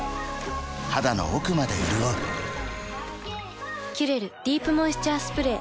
肌の奥まで潤う「キュレルディープモイスチャースプレー」